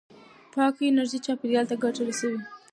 پاکه انرژي چاپېریال ته ګټه رسوي.